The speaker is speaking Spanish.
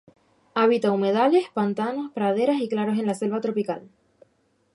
Habita humedales, pantanos, praderas y claros en la selva tropical.